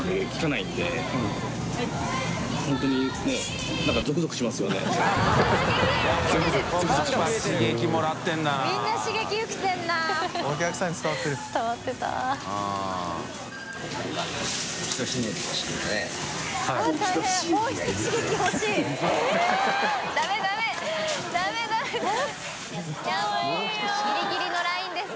いもうギリギリのラインです。